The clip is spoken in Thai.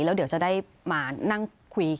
แล้วเดี๋ยวจะได้มานั่งคุย